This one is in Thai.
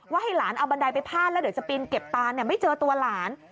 ให้หลานเอาบันไดไปพาดแล้วเดี๋ยวจะปีนเก็บตาไม่เจอตัวหลาน